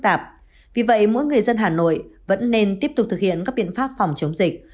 tạp vì vậy mỗi người dân hà nội vẫn nên tiếp tục thực hiện các biện pháp phòng chống dịch